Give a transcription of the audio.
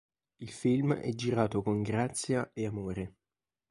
Il film è girato con grazia e amore.